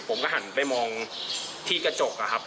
ผมก็หันไปมองที่กระจกอะครับ